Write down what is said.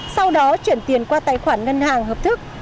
sau đó chuyển tiền qua tài khoản ngân hàng hợp thức